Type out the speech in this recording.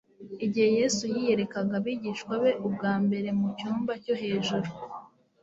Igihe Yesu yiyerekaga abigishwa be ubwa mbere mu cyumba cyo hejuru,